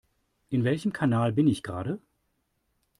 In welchem Kanal bin ich gerade?